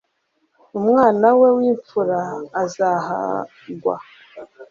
umwana we w'imfura azahagwa